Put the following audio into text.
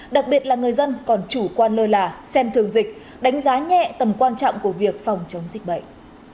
đặc biệt là người dân còn chủ quan lơ là xem thường dịch đánh giá nhẹ tầm quan trọng của việc phòng chống dịch bệnh